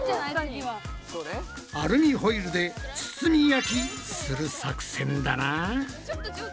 アルミホイルで包み焼きする作戦だな。